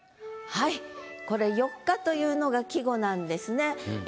はいこれ「四日」というのが季語なんですね。